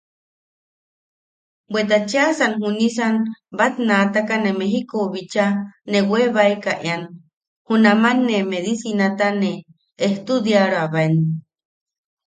Bweta cheʼasan junisan batnaataka ne Mejikou bicha ne webaeka ean, junaman ne medicinata ne ejtudiaroabaen.